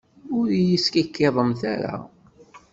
Ur iyi-skikkiḍemt ara!